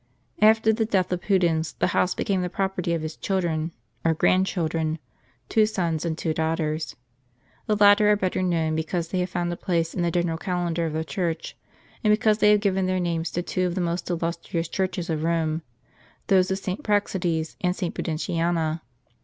After the death of Pudens, the house became the property of his children, or grandchildren,! two sons and two llljlktjj St. Pudentiana, St. Priscilla, and St. Praxcdes. daughters. The latter are better known, because they have found a place in the general calendar of the Church, and because they have given their names to two of the most illus trious churches of Rome, those of St. Praxedes and St. Pu dentiana.